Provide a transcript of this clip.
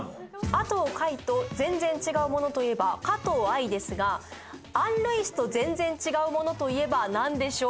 「阿藤快と全然違うものといえば加藤あいですがアン・ルイスと全然違うものといえばなんでしょう？」。